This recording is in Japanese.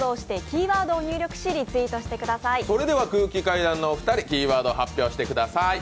空気階段のお二人、キーワード発表してください。